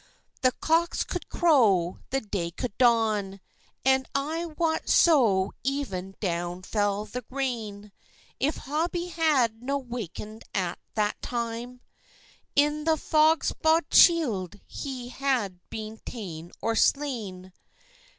The cocks could crow, the day could dawn, And I wot so even down fell the rain; If Hobbie had no waken'd at that time, In the Foulbogshiel he had been tane or slain.